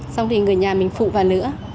xong thì người nhà mình phụ vào nữa